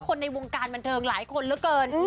ในวงการบันเทิงหลายคนเหลือเกิน